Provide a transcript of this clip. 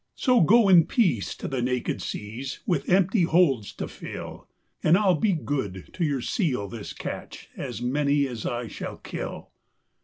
So go in peace to the naked seas with empty holds to fill, And I'll be good to your seal this catch, as many as I shall kill."